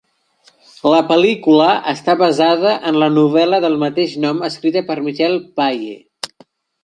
La pel·lícula està basada en la novel·la del mateix nom escrita per Michael Pye.